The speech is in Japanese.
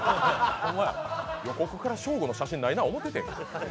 予告からショーゴの写真ないな思ってたねん。